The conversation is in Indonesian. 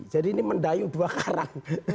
yang dayu dua karang